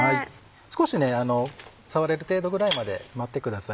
少し触れる程度ぐらいまで待ってください。